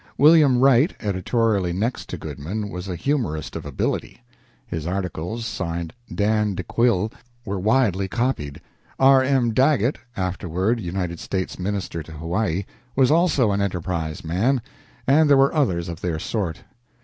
William Wright, editorially next to Goodman, was a humorist of ability. His articles, signed Dan de Quille, were widely copied. R. M. Daggett (afterward United States Minister to Hawaii) was also an "Enterprise" man, and there were others of their sort.